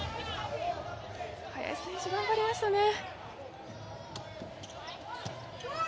林選手、頑張りましたね。